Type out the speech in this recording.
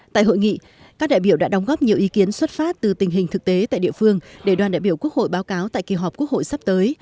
tại hội nghị các đại biểu đã đóng góp nhiều ý kiến xuất phát từ tình hình thực tế tại địa phương để đoàn đại biểu quốc hội báo cáo tại kỳ họp quốc hội sắp tới